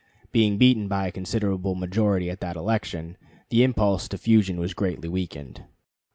Being beaten by a considerable majority at that election, the impulse to fusion was greatly weakened.